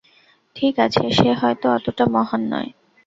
ঠিক আছে, সে হয়তো অতটা মহান নয়।